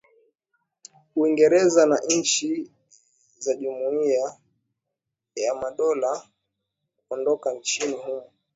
uingereza na nchi za jumuiya ya madola kuondoka nchini humo